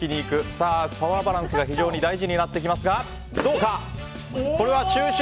さあ、パワーバランスが非常に大事になってきますが。